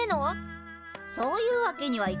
そういうわけにはいかないわ。